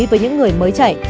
với những người mới chạy